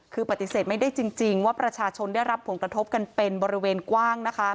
คือปฏิเสธไม่ได้จริงว่าประชาชนได้รับผลกระทบกันเป็นบริเวณกว้างนะคะ